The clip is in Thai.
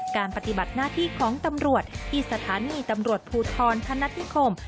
ปฏิบัติหน้าที่ของตำรวจที่สถานีตำรวจภูทรพนัฐนิคม